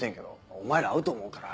「お前ら合うと思うから」